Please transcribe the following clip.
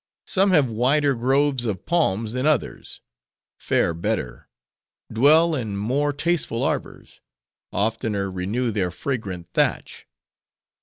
Some have wider groves of palms than others; fare better; dwell in more tasteful arbors; oftener renew their fragrant thatch.